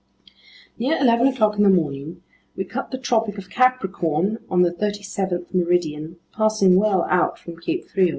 Near eleven o'clock in the morning, we cut the Tropic of Capricorn on the 37th meridian, passing well out from Cape Frio.